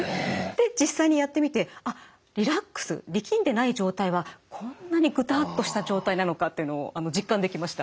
実際にやってみて「あっリラックス力んでない状態はこんなにぐたっとした状態なのか」っていうのを実感できました。